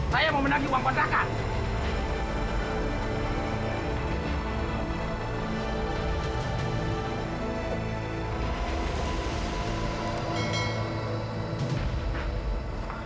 saya mau menanggi uang penerakan